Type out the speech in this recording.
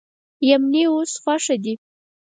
یمنی و اوس خو ښه دي.